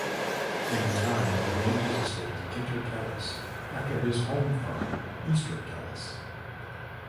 In time, he named his estate "Kinta Kellas" after his home farm "Easter Kellas".